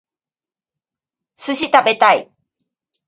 寿司食べたい